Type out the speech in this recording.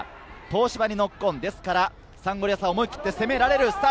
東芝にノックオン、ですからサンゴリアスは思い切って攻められる。